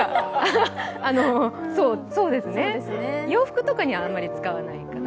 洋服とかにはあんまり使わないかな。